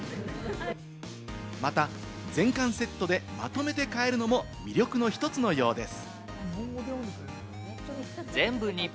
また全巻セットでまとめて買えるのも魅力の１つのようです。